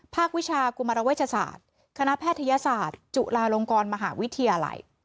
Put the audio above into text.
วิชากุมารเวชศาสตร์คณะแพทยศาสตร์จุฬาลงกรมหาวิทยาลัย